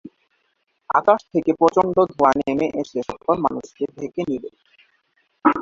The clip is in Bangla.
আকাশ থেকে প্রচণ্ড ধোঁয়া নেমে এসে সকল মানুষকে ঢেকে নিবে।